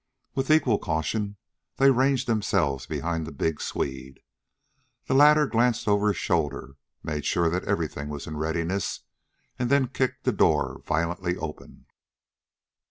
With equal caution they ranged themselves behind the big Swede. The latter glanced over his shoulder, made sure that everything was in readiness, and then kicked the door violently open.